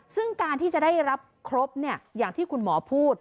ซึ่งการที่จะได้รับครบอย่างที่คุณหมอพูด